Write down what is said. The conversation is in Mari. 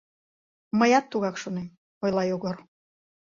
— Мыят тугак шонем, — ойла Йогор.